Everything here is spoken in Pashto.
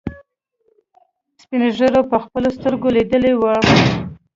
سپينږيرو په خپلو سترګو ليدلي وو.